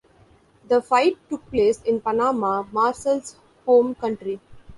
The fight took place in Panama, Marcel's home country.